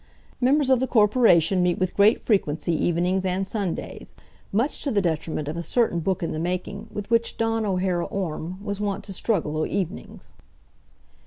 Members of the corporation meet with great frequency evenings and Sundays, much to the detriment of a certain Book in the making with which Dawn O'Hara Orme was wont to struggle o' evenings.